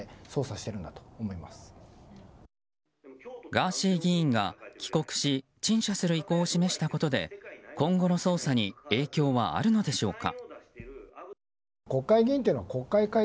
ガーシー議員が、帰国し陳謝する意向を示したことで今後の捜査に影響はあるのでしょうか。